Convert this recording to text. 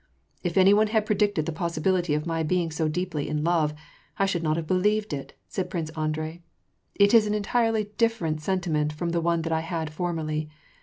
''If any one had predicted the possibility of my being so deeply in lore, I should not have believed it," said Prince An drei. '' It is an entirely different sentiment from the one that I had formerly.